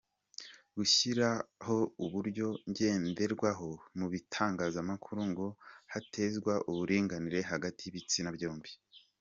Gushyiraho uburyo ngenderwaho mu bitangazamakuru ngo hatezwe uburinganire hagati y’ibitsina byombi.